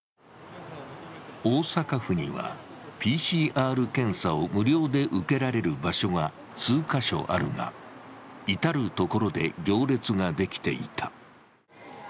大阪府にはＰＣＲ検査を無料で受けられる場所が数カ所あるが、至る所で行列ができていた。